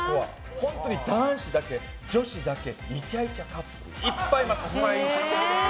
本当に男子だけ、女子だけいちゃいちゃカップルいっぱいいます！